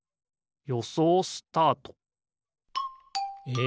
よそうスタート！え